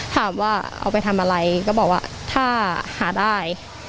ถามว่าเอาไปทำอะไรก็บอกว่าถ้าหาได้